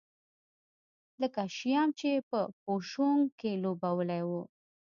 لکه شیام چې په بوشونګ کې لوبولی و.